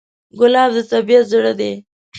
ګلاب د طبیعت زړه دی.